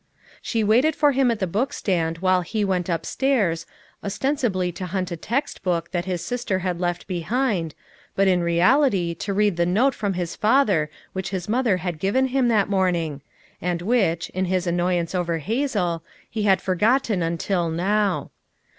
She waited for him at the book stand while he went upstairs, ostensibly to hunt a text book that his sister had left behind, but in real ity to read the note from his father which his mother had given him that morning, and which, in his annoyance over Hazel, he had forgotten until now.